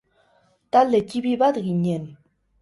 Talde ttipi bat ginen.